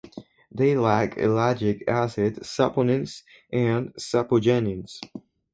They lack ellagic acid, saponins, and sapogenins.